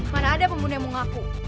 mana ada pembunuh yang mau ngaku